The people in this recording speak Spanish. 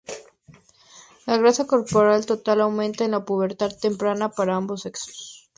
La grasa corporal total aumenta en la pubertad temprana para ambos sexos.